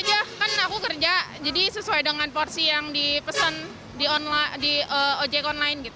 iya kan aku kerja jadi sesuai dengan porsi yang dipesan di ojek online